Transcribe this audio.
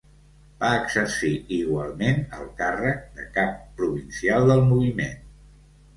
Va exercir igualment el càrrec de cap provincial del Moviment.